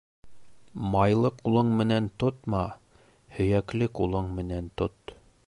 Майлы ҡулың менән тотма, һөйәкле ҡулың менән тот.